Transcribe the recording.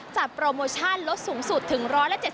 โปรโมชั่นลดสูงสุดถึง๑๗๐